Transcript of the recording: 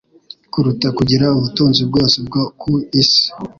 kuruta kugira ubutunzi bwose bwo ku isi